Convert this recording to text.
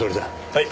はい。